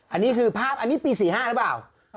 อันนี้คือภาพอันนี้ปี๔๕หรือเปล่า